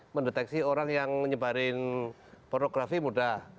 mendeteksi orang yang menyebarin pornografi mudah